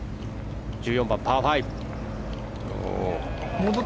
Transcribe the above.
１４番、パー５。